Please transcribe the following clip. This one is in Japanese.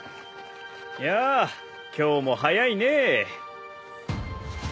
やあ今日も早いね。